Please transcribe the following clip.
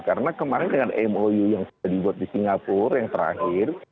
karena kemarin dengan mou yang sudah dibuat di singapura yang terakhir